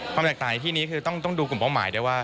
ความแตกต่างในที่นี้คือต้องดูกลุ่มป้องหมาย